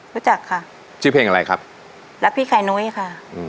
รู้จักค่ะชื่อเพลงอะไรครับรักพี่ไข่นุ้ยค่ะอืม